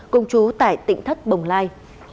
cùng chú tại tỉnh thất bồng lai